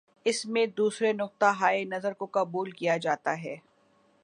اس میں دوسرے نقطہ ہائے نظر کو قبول کیا جاتا ہے۔